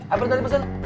apa yang tadi pesen